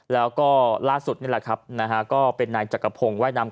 และล่าสุดเป็นนายจักรพงค์